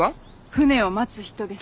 「船を待つ人」です。